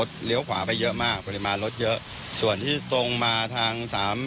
ตั้งเลี้ยวขวาเป็นมากก็มีมารถเลี้ยวเยอะส่วนที่ตรงมาทาง๓๐๔